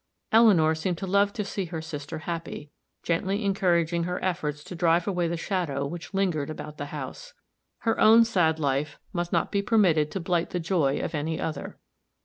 Eleanor seemed to love to see her sister happy, gently encouraging her efforts to drive away the shadow which lingered about the house. Her own sad life must not be permitted to blight the joy of any other.